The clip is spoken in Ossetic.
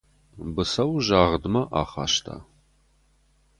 Быцӕу загъдмӕ ахаста.